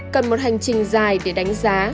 cần một hành trình dài để đánh giá